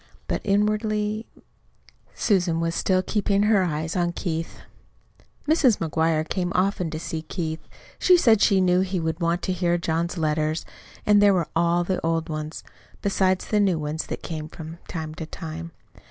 But inwardly Susan was still keeping her eyes on Keith. Mrs. McGuire came often to see Keith. She said she knew he would want to hear John's letters. And there were all the old ones, besides the new ones that came from time to time.